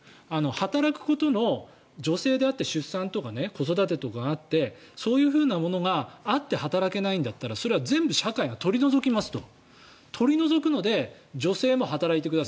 働くことの女性であって出産とか子育てとかあってそういうものがあって働けないんだったら、それは全部社会が取り除きますと。